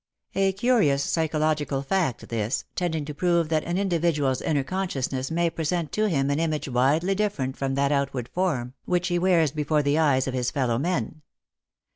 A curious psychological fact this, tending to prove that an individual's inner consciousness may present to him an image widely different from that outward form which he wears before the eyes of his fellow men.